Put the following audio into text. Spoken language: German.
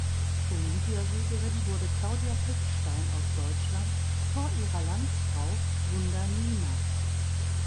Olympiasiegerin wurde Claudia Pechstein aus Deutschland vor ihrer Landsfrau Gunda Niemann.